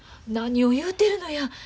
何を言うてるのや。